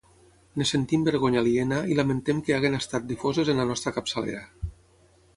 En sentim vergonya aliena i lamentem que hagin estat difoses en la nostra capçalera.